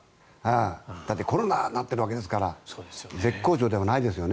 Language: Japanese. だってコロナになっているわけだから絶好調ではないわけですよね。